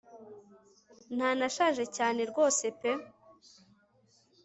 ntanashaje cyane rwose pe